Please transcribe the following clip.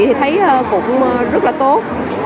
thì thấy cũng rất là tốt